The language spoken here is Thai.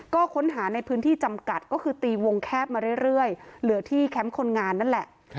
ก็ค้นหาในพื้นที่จำกัดก็คือตีวงแคบมาเรื่อยเหลือที่แคมป์คนงานนั่นแหละ